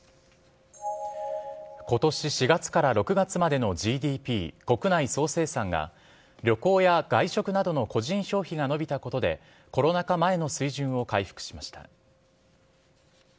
ことし４月から６月までのＧＤＰ・国内総生産が、旅行や外食などの個人消費が伸びたことで、コロナ禍前の水準を回復しました。